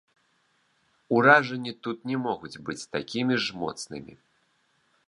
Уражанні тут не могуць быць такімі ж моцнымі.